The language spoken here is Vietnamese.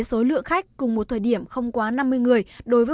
số lượng khách cùng một thời điểm không quá năm mươi người đối với